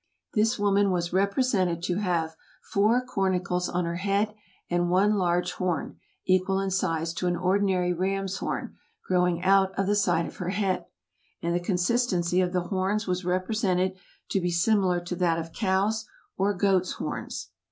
This woman was represented to have "four cornicles on her head, and one large horn, equal in size to an ordinary ram's horn, growing out of the side of her head"; and the consistency of the horns was represented to be similar to that of cows' or goats' horns.